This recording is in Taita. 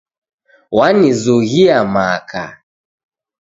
Wanizughia makae.